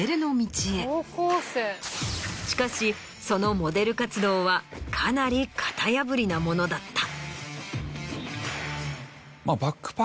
しかしそのモデル活動はかなり型破りなものだった。